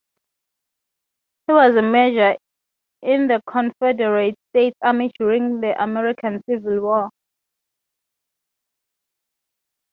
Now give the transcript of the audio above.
He was a Major in the Confederate States Army during the American Civil War.